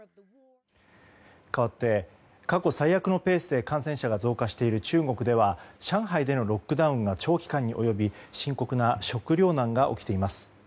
かわって過去最悪のペースで感染者が増加している中国では上海でのロックダウンが長期間に及び深刻な食糧難が起きています。